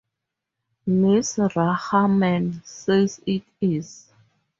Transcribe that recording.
Mrs. Rahman says it is.